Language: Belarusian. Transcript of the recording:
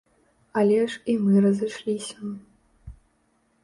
Але ж і мы разышліся.